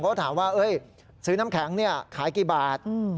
เพราะถามว่าซื้อน้ำแข็งขายกี่บาท